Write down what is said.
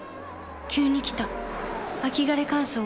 急に来た秋枯れ乾燥。